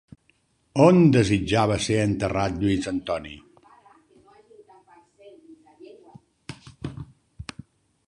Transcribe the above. On desitjava ser enterrat Lluís Antoni?